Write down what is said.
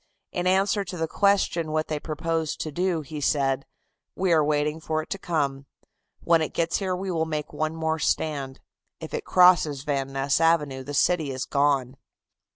In answer to the question of what they proposed to do, he said: "We are waiting for it to come. When it gets here we will make one more stand. If it crosses Van Ness Avenue the city is gone."